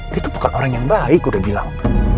dia tuh bukan orang yang baik udah bilang